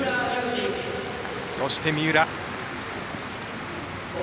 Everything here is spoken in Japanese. そして、三浦。